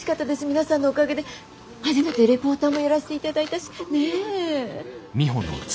皆さんのおかげで初めてレポーターもやらせて頂いたしねぇ？